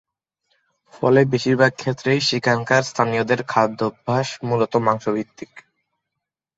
ফলে বেশিরভাগ ক্ষেত্রেই সেখানকার স্থানীয়দের খাদ্যাভ্যাস মূলত মাংসভিত্তিক।